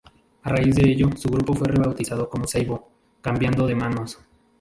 A raíz de ello su grupo fue rebautizado como Ceibo, cambiando de manos.